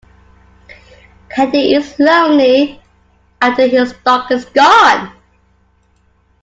Candy is lonely after his dog is gone.